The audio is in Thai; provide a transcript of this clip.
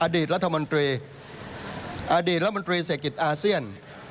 อดีตรัฐมนตรีอดีตรัฐมนตรีเศรษฐกิจอาเซียน